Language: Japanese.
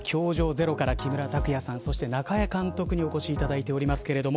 ０‐から木村拓哉さん、そして中江監督にお越しいただいております。